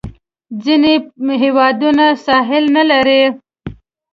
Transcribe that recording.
ځینې هیوادونه ساحل نه لري.